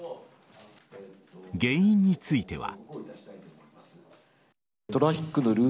原因については。